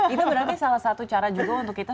itu berarti salah satu cara juga untuk kita